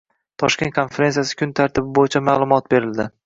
Toshkent konferensiyasi kun tartibi bo‘yicha ma'lumot berildi